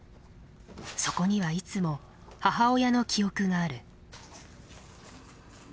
そこにはいつも母親の記憶がある。